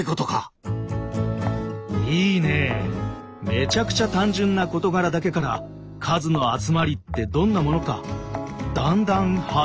めちゃくちゃ単純な事柄だけから「数」の集まりってどんなものかだんだんハッキリしてきたね。